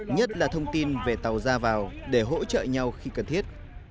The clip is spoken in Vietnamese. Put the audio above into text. nhất là thông tin về tàu ra vào để hỗ trợ nhau khi cần thiết